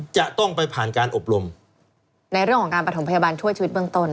จะต้องไปผ่านการอบรมในเรื่องของการประถมพยาบาลช่วยชีวิตเบื้องต้น